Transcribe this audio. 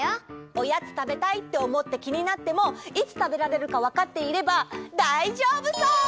おやつたべたいっておもってきになってもいつたべられるかわかっていればだいじょうぶそう！